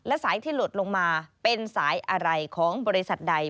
และสายที่หลดลงมาเป็นสายอะไรของบริษัทใด